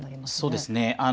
そうですね。